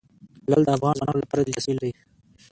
لعل د افغان ځوانانو لپاره دلچسپي لري.